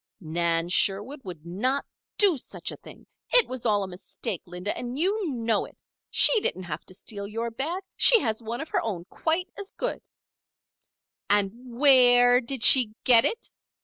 "Nan Sherwood would not do such a thing. It was all a mistake, Linda, and you know it. She didn't have to steal your bag! She has one of her own quite as good " "And where did she get it?"